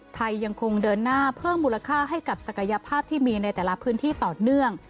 ไทยยังคงเดินหน้าเพิ่มมูลค่าให้กับศักยภาพที่มีในแต่ละพื้นที่ต่อเนื่อง